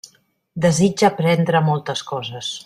Desitge aprendre moltes coses.